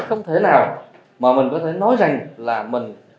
không thể nào mà mình có thể nói rằng là mình